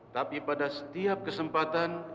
tapi pada setiap kesempatan